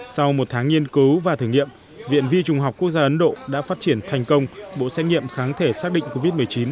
sau một tháng nghiên cứu và thử nghiệm viện vi trung học quốc gia ấn độ đã phát triển thành công bộ xét nghiệm kháng thể xác định covid một mươi chín